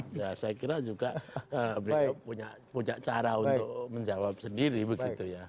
saya kira juga beliau punya cara untuk menjawab sendiri begitu ya